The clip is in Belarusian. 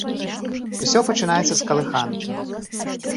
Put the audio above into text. Усё пачынаецца з калыханкі.